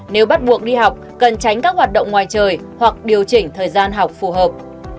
nếu bắt buộc đi học cần tránh các hoạt động ngoài trời hoặc điều chỉnh thời gian học phù hợp